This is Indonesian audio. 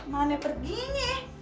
ih mana perginya